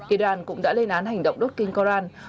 iran cũng đã lên án hành động đốt kinh koran